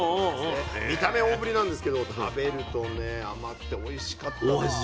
見た目大ぶりなんですけど食べるとね甘くておいしかったんですよね。